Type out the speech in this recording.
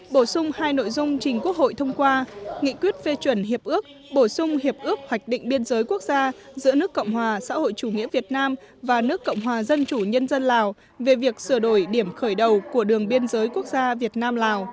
bổ sung hai nội dung trình quốc hội thông qua nghị quyết phê chuẩn hiệp ước bổ sung hiệp ước hoạch định biên giới quốc gia giữa nước cộng hòa xã hội chủ nghĩa việt nam và nước cộng hòa dân chủ nhân dân lào về việc sửa đổi điểm khởi đầu của đường biên giới quốc gia việt nam lào